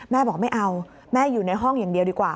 แม่บอกไม่เอาแม่อยู่ในห้องอย่างเดียวดีกว่า